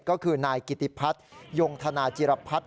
ก็คือนายกิติพัฒนยงธนาจิรพัฒน์